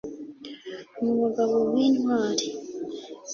mu bagabo b intwari